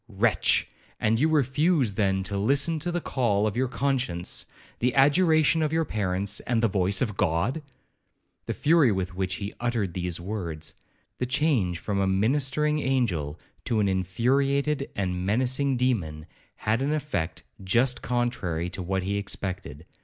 'Wretch! and you refuse, then, to listen to the call of your conscience, the adjuration of your parents, and the voice of God?' The fury with which he uttered these words,—the change from a ministering angel to an infuriated and menacing demon, had an effect just contrary to what he expected.